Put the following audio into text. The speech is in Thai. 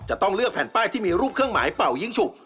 จะต้องเลือกแผ่นป้ายที่มีรูปเครื่องหมายเป่ายิ้งฉุก